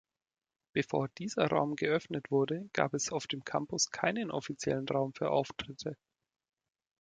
Bevor dieser Raum geöffnet wurde, gab es auf dem Campus keinen offiziellen Raum für Auftritte.